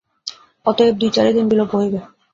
অতএব দুই-চারি দিন বিলম্ব হইবে।